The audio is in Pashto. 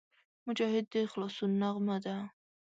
مجاهد د خلاصون نغمه ده.